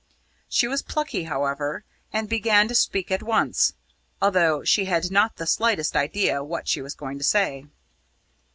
She was plucky, however, and began to speak at once, although she had not the slightest idea what she was going to say.